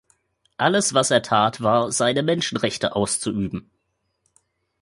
Alles was er tat, war, seine Menschenrechte auszuüben.